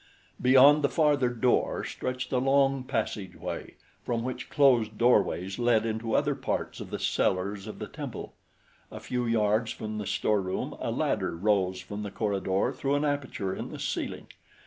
Beyond the farther door stretched a long passageway from which closed doorways led into other parts of the cellars of the temple. A few yards from the storeroom a ladder rose from the corridor through an aperture in the ceiling.